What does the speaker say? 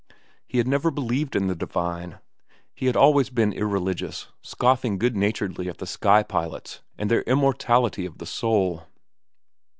He had never believed in the divine. He had always been irreligious, scoffing good naturedly at the sky pilots and their immortality of the soul.